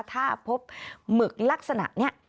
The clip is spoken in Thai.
ถ้าพบหมึกลักษณะนี้